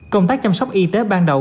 công tác chăm sóc y tế ban đầu